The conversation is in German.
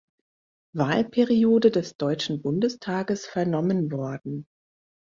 Wahlperiode des Deutschen Bundestages vernommen worden.